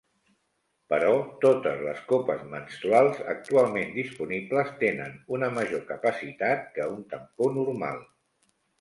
Però, totes les copes menstruals actualment disponibles tenen una major capacitat que un tampó normal.